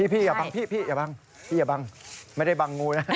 พี่อย่าบังไม่ได้บังงูนะ